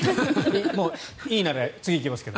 いいなら次に行きますけど。